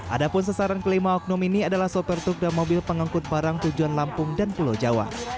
ada pun sasaran kelima oknum ini adalah sopir truk dan mobil pengangkut barang tujuan lampung dan pulau jawa